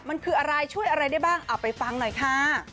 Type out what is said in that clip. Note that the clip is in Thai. มันคืออะไรช่วยอะไรได้บ้างเอาไปฟังหน่อยค่ะ